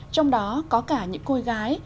trong đó có cả những cô gái